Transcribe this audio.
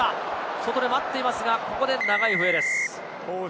そこで待っていますが、ここで長い笛です。